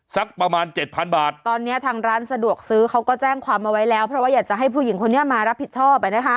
สักประมาณเจ็ดพันบาทตอนเนี้ยทางร้านสะดวกซื้อเขาก็แจ้งความเอาไว้แล้วเพราะว่าอยากจะให้ผู้หญิงคนนี้มารับผิดชอบ